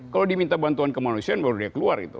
kalau diminta bantuan kemanusiaan baru dia keluar gitu